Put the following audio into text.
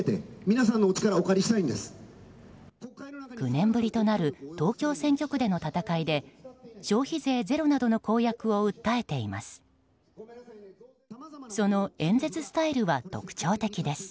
９年ぶりとなる東京選挙区での戦いで消費税ゼロなどの公約を訴えています。